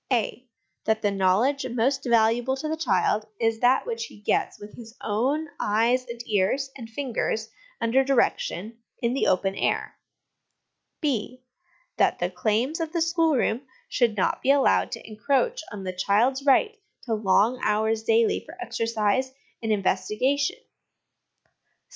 (a) That the knowledge most valuable to the child is that which he gets with his own eyes and ears and fingers (under direction) in the open air. () That the claims of the schoolroom should not be allowed to encroach on the child's right to long hours daily for exercise and investigation.